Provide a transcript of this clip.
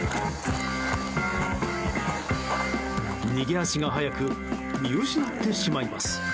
逃げ足が速く見失ってしまいます。